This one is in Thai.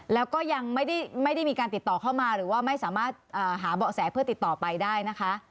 แล้วก็ยังไม่ได้มีการติดต่อเข้ามาหรือว่าไม่สามารถหาเบาะแสเพื่อติดต่อไปได้นะคะ